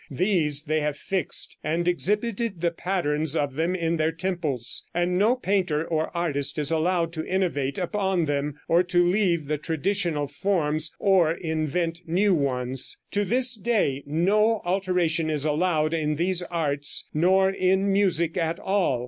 These they fixed, and exhibited the patterns of them in their temples, and no painter or artist is allowed to innovate upon them, or to leave the traditional forms or invent new ones. To this day no alteration is allowed in these arts nor in music at all.